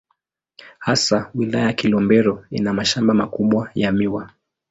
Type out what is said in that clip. Hasa Wilaya ya Kilombero ina mashamba makubwa ya miwa.